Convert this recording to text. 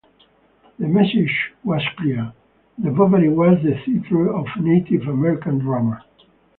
The message was clear: The Bowery was the theatre of Native American drama.